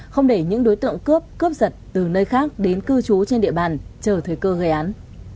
không để những đối tượng cướp cướp giật từ nơi khác đến cư trú trên địa bàn chờ thời cơ gây án